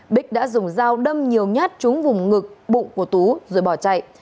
bích đã dùng dao đâm nhiều nhát trúng vùng ngực bụng của tú rồi bỏ chạy